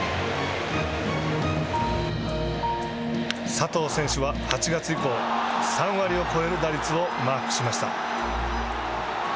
佐藤選手は８月以降３割を超える打率をマークしました。